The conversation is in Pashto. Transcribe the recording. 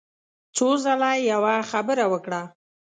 څو ځله يې يوه خبره وکړه.